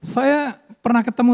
saya pernah ketemu